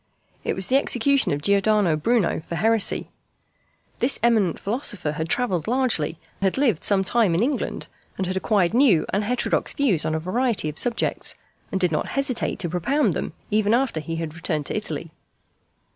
It was the execution of Giordano Bruno for heresy. This eminent philosopher had travelled largely, had lived some time in England, had acquired new and heterodox views on a variety of subjects, and did not hesitate to propound them even after he had returned to Italy.